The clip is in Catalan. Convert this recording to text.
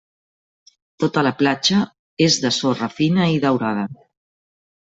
Tota la platja és de sorra fina i daurada.